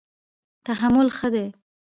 تحمل ښه دی.